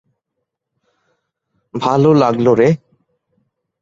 ভালো লাগলো রে।